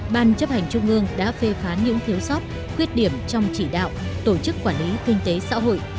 ban chấp hành trung ương đã phê phán những thiếu sót khuyết điểm trong chỉ đạo tổ chức quản lý kinh tế xã hội